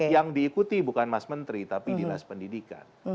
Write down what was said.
yang diikuti bukan mas menteri tapi dinas pendidikan